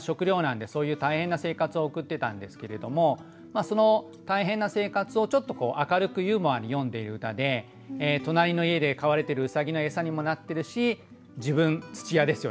食糧難でそういう大変な生活を送ってたんですけれどもその大変な生活をちょっと明るくユーモアに詠んでいる歌で隣の家で飼われてる兎の餌にもなってるし自分土屋ですよね